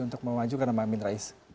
untuk memajukan amir rais